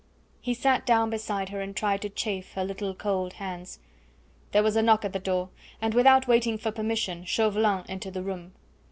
He sat down beside her and tried to chafe her little cold hands. There was a knock at the door, and without waiting for permission Chauvelin entered the room.